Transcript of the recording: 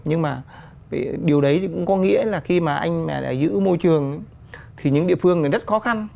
nhưng mà điều đấy thì cũng có nghĩa là khi mà anh giữ môi trường thì những địa phương này rất khó khăn